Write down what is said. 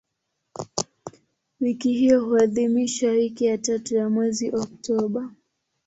Wiki hiyo huadhimishwa wiki ya tatu ya mwezi Oktoba.